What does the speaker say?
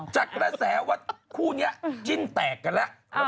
ท่านคนสนิทของคุณยิ่งสัมภาษณ์